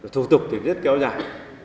thủ tục thì rất kéo dài